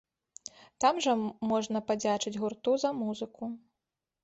Там жа можна падзячыць гурту за музыку.